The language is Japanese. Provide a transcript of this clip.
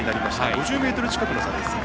５０ｍ近くの差です。